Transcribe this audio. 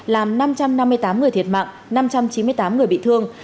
làm năm trăm năm mươi tám người thiệt mạng năm trăm chín mươi tám người bị thương